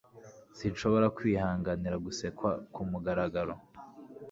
Sinshobora kwihanganira gusekwa kumugaragaro